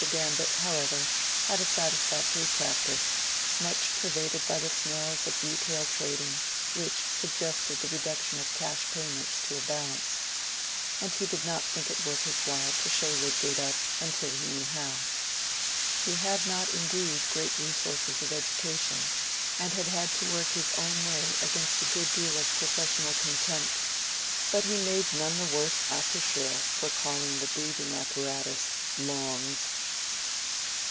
Gambit, however, had a satisfactory practice, much pervaded by the smells of retail trading which suggested the reduction of cash payments to a balance. And he did not think it worth his while to show Lydgate up until he knew how. He had not indeed great resources of education, and had had to work his own way against a good deal of professional contempt; but he made none the worse accoucheur for calling the breathing apparatus "longs."